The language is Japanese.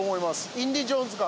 インディ・ジョーンズ感。